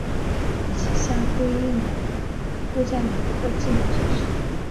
与其相对应的乌加里特字母则是。